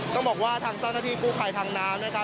ต้องบอกว่าทางเจ้าหน้าที่กู้ภัยทางน้ำนะครับ